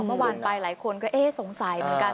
เมื่อวานไปหลายคนก็เอ๊ะสงสัยเหมือนกัน